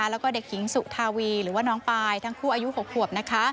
แล้วก็เด็กหญิงสุธาวีหรือว่าน้องปายทั้งคู่อายุ๖ขวบ